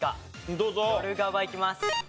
ドルガバいきます。